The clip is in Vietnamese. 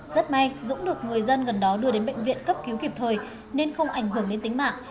rất may dũng được người dân gần đó đưa đến bệnh viện cấp cứu kịp thời nên không ảnh hưởng đến tính mạng